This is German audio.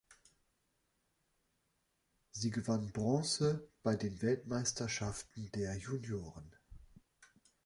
Sie gewann Bronze bei den Weltmeisterschaften der Junioren.